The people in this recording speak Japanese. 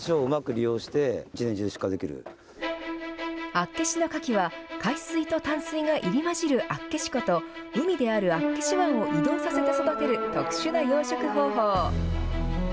厚岸のカキは、海水と淡水が入り交じる厚岸湖と、海である厚岸湾を移動して育てる特殊な養殖方法。